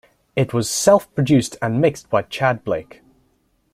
It was self-produced and mixed by Tchad Blake.